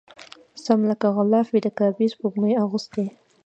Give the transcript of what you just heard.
سم لکه غلاف وي د کعبې سپوږمۍ اغوستی